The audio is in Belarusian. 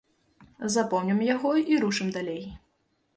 Запомнім яго і рушым далей.